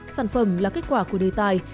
sản phẩm là kết quả của đề tài